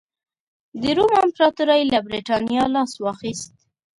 د روم امپراتورۍ له برېټانیا لاس واخیست